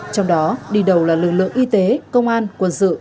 trong đó đi đầu là lực lượng y tế công an quân sự